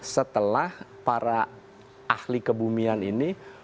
setelah para ahli kebumian ini